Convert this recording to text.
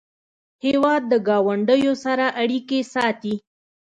هېواد د ګاونډیو سره اړیکې ساتي.